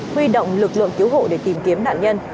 huy động lực lượng cứu hộ để tìm kiếm nạn nhân